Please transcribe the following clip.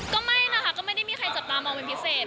ก็ไม่นะคะก็ไม่ได้มีใครจับตามองเป็นพิเศษ